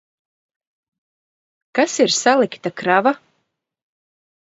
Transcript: Kas ir salikta krava?